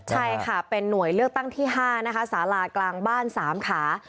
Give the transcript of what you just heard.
ใช่ค่ะเป็นหน่วยเลือกตั้งที่๕นะคะสาลากลางบ้าน๓ขา